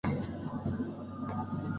e ukiangalia mchakato mzima sasa hivi